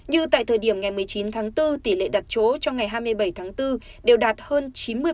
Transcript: như tại thời điểm ngày một mươi chín tháng bốn tỷ lệ đặt chỗ trong ngày hai mươi bảy tháng bốn đều đạt hơn chín mươi